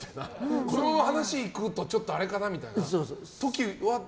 その話にいくとちょっとあれかなみたいな時は？